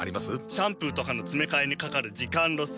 シャンプーとかのつめかえにかかる時間ロス。